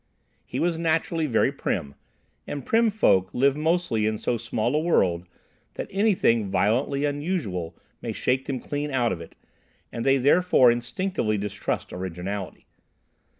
He was naturally very prim, and prim folk live mostly in so small a world that anything violently unusual may shake them clean out of it, and they therefore instinctively distrust originality.